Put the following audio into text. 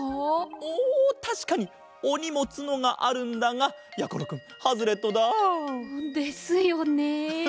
おおたしかにおにもつのがあるんだがやころくんハズレットだ。ですよね。